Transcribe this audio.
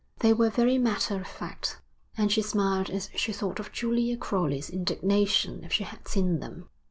They were very matter of fact, and she smiled as she thought of Julia Crowley's indignation if she had seen them.